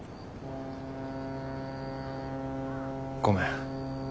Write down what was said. ごめん。